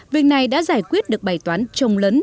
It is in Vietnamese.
việc này đã giải quyết được bài toán trồng lấn